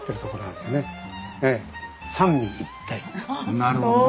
なるほどね。